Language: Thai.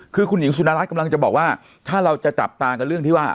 คือคุณหญิงสุนรัฐกำลังจะบอกว่าถ้าเราจะจับตากับเรื่องที่ว่า